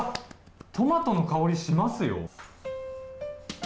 トマトの香り、しますよ。